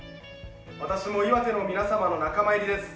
私も岩手の皆様の仲間入りです。